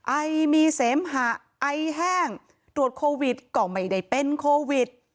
ไอมีเสมหะไอแห้งตรวจโควิดก็ไม่ได้เป็นโควิด